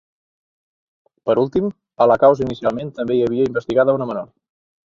Per últim, a la causa inicialment també hi havia investigada una menor.